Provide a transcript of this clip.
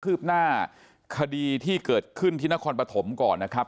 ืบหน้าคดีที่เกิดขึ้นที่นครปฐมก่อนนะครับ